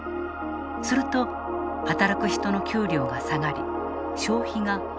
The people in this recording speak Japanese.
すると働く人の給料が下がり消費が抑えられる。